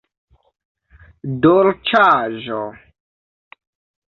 dolĉaĵo